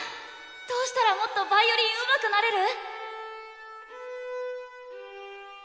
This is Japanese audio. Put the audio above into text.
どうしたらもっとヴァイオリンうまくなれる？